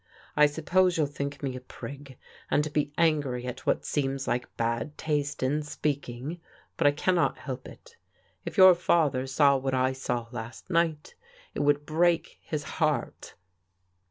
"I sup pose you'll think me a prig, and be angry at what seems like bad taste in speaking, but I cannot help it. If your father saw what I saw last night, it would break his heart."